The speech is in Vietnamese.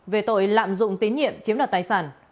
về tội lạm dụng tín nhiệm chiếm đoạt tài sản